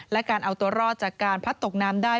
และการเอาตัวรอดจากการพัดตกน้ำได้